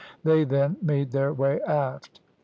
They then made their way aft.